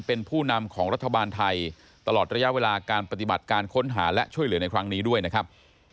เป็นผู้นำของรัฐบาลไทยตลอดระยะเวลาการปฏิบัติการค้นหาและช่วยเหลือในครั้งนี้ด้วยนะครับ